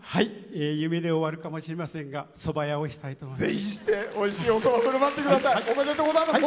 夢で終わるかもしれませんがそば屋をしたいと思います。